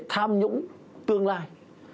tham nhũng tương lai